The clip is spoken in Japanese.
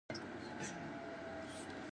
朝ごはん